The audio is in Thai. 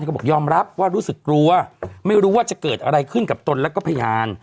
ก็บอกยอมรับว่ารู้สึกกลัวไม่รู้ว่าจะเกิดอะไรขึ้นกับตนแล้วก็พยาน